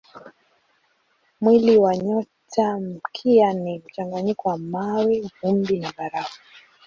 Mwili wa nyotamkia ni mchanganyiko wa mawe, vumbi na barafu.